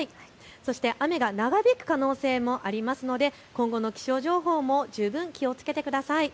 そして雨が長引く可能性もあるので今後の気象情報にも十分気をつけてください。